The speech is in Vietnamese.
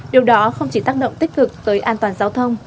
điều đó không chỉ tác động tích cực tới an toàn giao thông